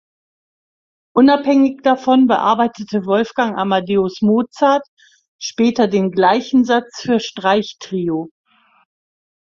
Unabhängig davon bearbeitete Wolfgang Amadeus Mozart später den gleichen Satz für Streichtrio.